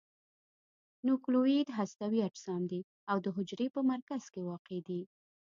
نوکلوئید هستوي اجسام دي او د حجرې په مرکز کې واقع دي.